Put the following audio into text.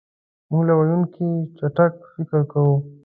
مونږ له ویونکي چټک فکر کوو.